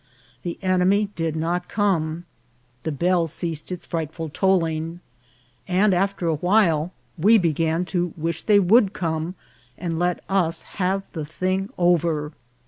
The enemy did not come, the bell ceas ed its frightful tolling, and after a while we began to wish they would come, and let us have the thing over.